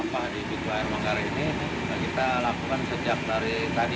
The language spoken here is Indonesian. pengambilan sampah di pintu air manggarai